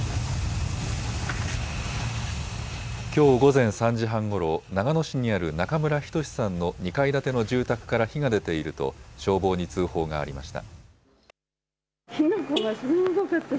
きょう午前３時半ごろ長野市にある中村均さんの２階建ての住宅から火が出ていると消防に通報がありました。